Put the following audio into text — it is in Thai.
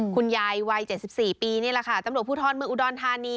คุณยายวัยเจ็ดสิบสี่ปีนี่แหละค่ะตำรวจผู้ทอดเมืองอุดอลธานี